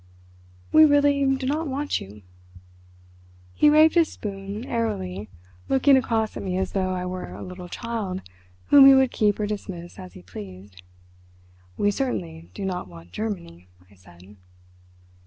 We really do not want you." He waved his spoon airily, looking across at me as though I were a little child whom he would keep or dismiss as he pleased. "We certainly do not want Germany," I said.